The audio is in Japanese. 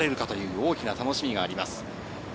大きな楽しみがあります。